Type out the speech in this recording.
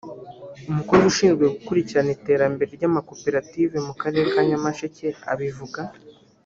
umukozi ushinzwe gukurikirana iterambere ry’amakoperative mu karere ka Nyamasheke abivuga